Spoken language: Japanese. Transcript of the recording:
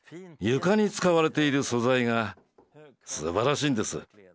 床に使われている素材がすばらしいんです。